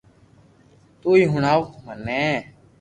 تو ھي ھڻاو مني